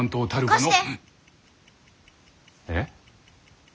えっ？